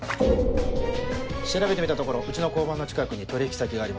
調べてみたところうちの交番の近くに取引先がありました。